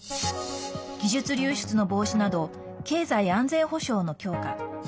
技術流出の防止など経済安全保障の強化。